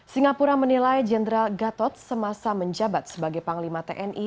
singapura menilai jenderal gatot semasa menjabat sebagai panglima tni